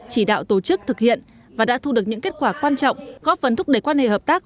chỉ đạo tổ chức thực hiện và đã thu được những kết quả quan trọng góp phấn thúc đẩy quan hệ hợp tác